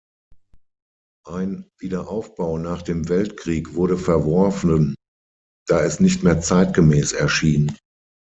Ein Wiederaufbau nach dem Weltkrieg wurde verworfen, da es nicht mehr zeitgemäß erschien.